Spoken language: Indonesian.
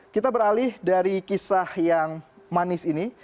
kita beralih dari kisah yang manis ini